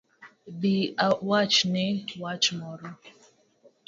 Bi awachni wach moro